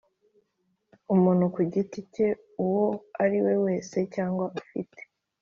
Umuntu ku giti cye uwo ariwe wese cyangwa ufite